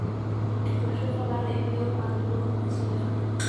可是赫华勒没有把诅咒放在心上。